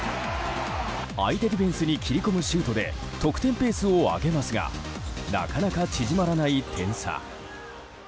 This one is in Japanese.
相手ディフェンスに切り込むシュートで得点ペースを上げますがなかなか縮まらない点差。